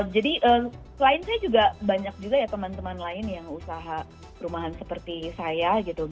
jadi selain saya juga banyak juga ya teman teman lain yang usaha perumahan seperti saya gitu